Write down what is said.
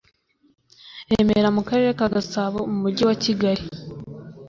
remera mu karere ka gasabo mu mujyi wa kigali